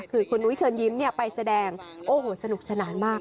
คือคุณนุ้ยเชิญยิ้มไปแสดงโอ้โหสนุกสนานมาก